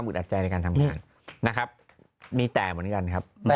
มีแต่เหมือนกันครับ